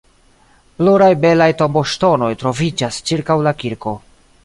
Pluraj belaj tomboŝtonoj troviĝas ĉirkaŭ la kirko.